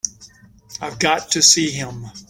I've got to see him.